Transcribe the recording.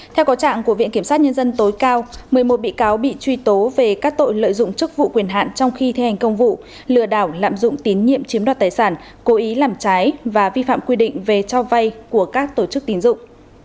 theo có trạng của viện kiểm sát nhân dân tối cao một mươi một bị cáo bị truy tố về các tội lợi dụng chức vụ quyền hạn trong khi thi hành công vụ lừa đảo lạm dụng tín nhiệm chiếm đoạt tài sản cố ý làm trái và vi phạm quy định về cho vay của các tổ chức tín dụng